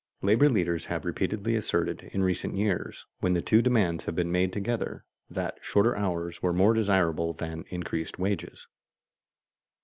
Labor leaders have repeatedly asserted in recent years, when the two demands have been made together, that shorter hours were more desirable than increased wages.